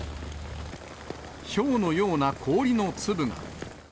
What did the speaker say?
ひょうのような氷の粒が。